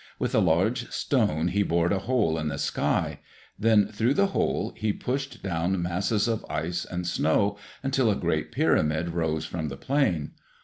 With a large stone he bored a hole in the sky. Then through the hole he pushed down masses of ice and snow, until a great pyramid rose from the plain.